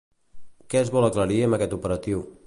Què es vol aclarir amb aquest operatiu?